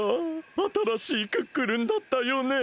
あたらしいクックルンだったよね。